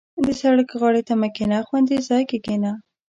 • د سړک غاړې ته مه کښېنه، خوندي ځای کې کښېنه.